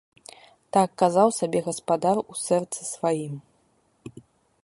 Так казаў сабе гаспадар у сэрцы сваім!